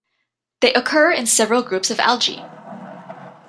They occur in several groups of algae.